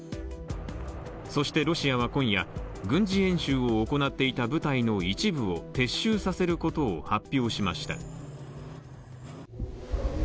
そして、ロシアは今夜、軍事演習を行っていた部隊の一部を撤収させることを発表しました。